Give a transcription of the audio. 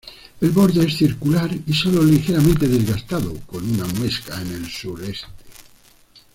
El borde es circular y solo ligeramente desgastado, con una muesca en el sureste.